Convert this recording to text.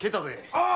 ああ。